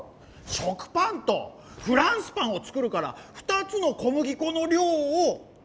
食パンとフランスパンを作るから２つのこむぎこの量を足したんです。